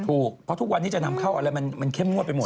ทุกวันนี้จะนำเข้าอะไรมันเข้มงวดไปหมด